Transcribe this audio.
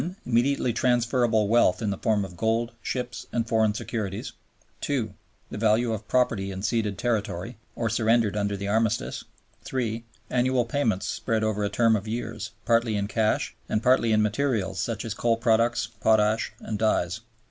Immediately transferable wealth in the form of gold, ships, and foreign securities; 2. The value of property in ceded territory, or surrendered under the Armistice; 3. Annual payments spread over a term of years, partly in cash and partly in materials such as coal products, potash, and dyes.